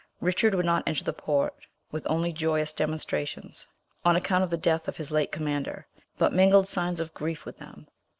Richard would not enter the port with only joyous demonstrations, on account of the death of his late commander, but mingled signs of grief with them.